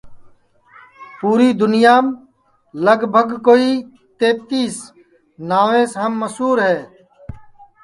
پوری دُنیام تقریباً کوئی تینتیس ناویس ہم مشور ہے